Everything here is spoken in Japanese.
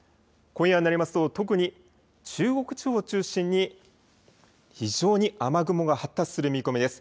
今夜になりますと特に中国地方を中心に非常に雨雲が発達する見込みです。